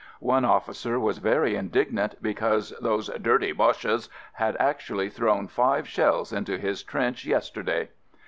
One officer was very indignant because those "dirty Boches" had actually thrown five shells into his trench yesterday!